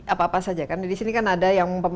apa apa saja kan di sini kan ada yang